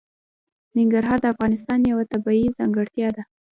ننګرهار د افغانستان یوه طبیعي ځانګړتیا ده.